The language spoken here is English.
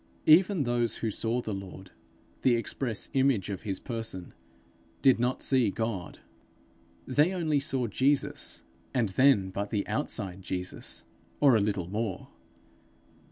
Even those who saw the Lord, the express image of his person, did not see God. They only saw Jesus and then but the outside Jesus, or a little more.